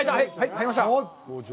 入りました！